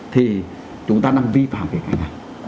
thì chúng ta đang vi phạm cái cái này